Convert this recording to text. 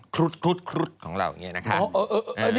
ครุดของเราอย่างนี้นะครับ